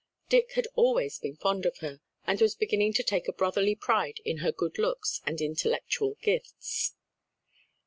Dick had always been fond of her, and was beginning to take a brotherly pride in her good looks and intellectual gifts.